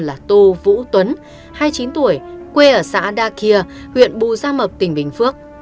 bị bắt khai tên là tô vũ tuấn hai mươi chín tuổi quê ở xã đa kìa huyện bù gia mập tỉnh bình phước